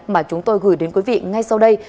mà chúng tôi gửi đến quý vị ngay sau đây